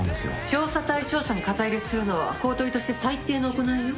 調査対象者に肩入れするのは公取として最低の行いよ。